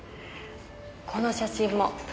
この写真も。